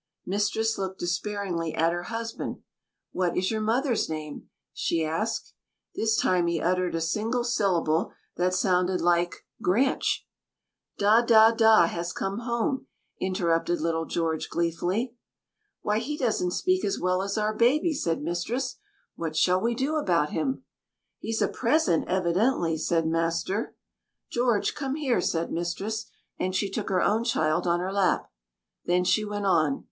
Mistress looked despairingly at her husband. "What is your mother's name?" she asked. This time he uttered a single syllable that sounded like "Granch!" "Da, Da, Da has come home," interrupted little George gleefully. "Why, he doesn't speak as well as our baby," said mistress. "What shall we do about him?" "He's a present, evidently," said master. "George, come here," said mistress, and she took her own child on her lap. Then she went on.